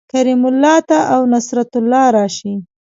کریم الله ته او نصرت الله راشئ